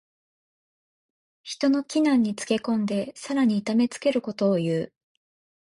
人の危難につけ込んでさらに痛めつけることをいう。